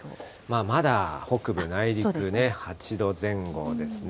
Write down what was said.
まだ北部、内陸８度前後ですね。